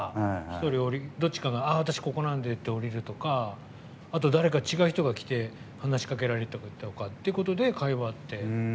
１人どちらかがここなんでって降りるとかあと、誰か違う人が来て話しかけられたりとかで会話って。